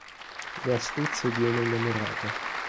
Le astuzie di una innamorata.